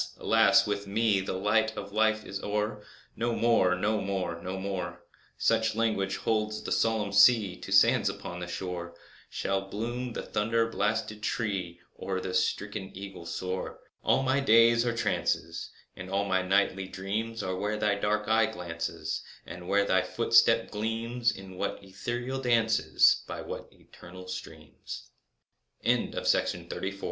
alas! with me The light of Life is o'er! No more—no more—no more— (Such language holds the solemn sea To the sands upon the shore) Shall bloom the thunder blasted tree, Or the stricken eagle soar! And all my days are trances, And all my nightly dreams Are where thy dark eye glances, And where thy footstep gleams— In what ethereal dances, By what eternal streams. 1835. THE COLISEU